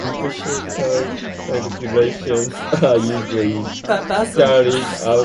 Dorothy was a full-time homemaker.